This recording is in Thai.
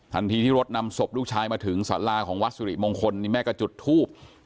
ที่รถนำศพลูกชายมาถึงสาราของวัดสุริมงคลนี่แม่ก็จุดทูบ